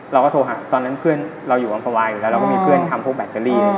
เราก็โทรหาตอนนั้นเพื่อนเราอยู่อำภาวาอยู่แล้วเราก็มีเพื่อนทำพวกแบตเตอรี่